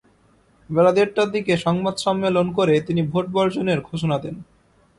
বেলা দেড়টার দিকে সংবাদ সম্মেলন করে তিনি ভোট বর্জনের ঘোষণা দেন।